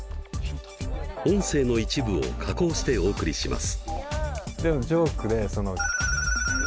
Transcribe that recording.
音声の一部を加工してお送りします。